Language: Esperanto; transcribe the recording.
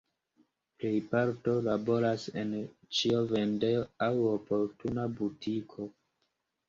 Plejparto laboras en ĉiovendejo aŭ oportuna butiko.